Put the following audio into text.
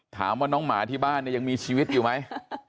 ถามว่าน้องหมาที่บ้านเนี่ยยังมีชีวิตอยู่ไหม